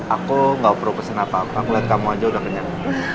aku gak perlu pesen apa apa aku lihat kamu aja udah kenyang